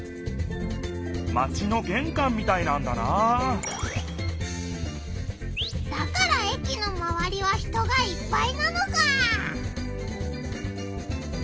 マチのげんかんみたいなんだなだから駅のまわりは人がいっぱいなのか！